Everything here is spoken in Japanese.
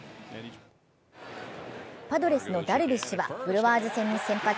パドレスのダルビッシュは、ブルワーズ戦に先発。